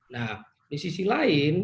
nah di sisi lain